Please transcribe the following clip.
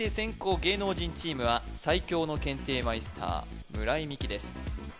芸能人チームは最強の検定マイスター村井美樹です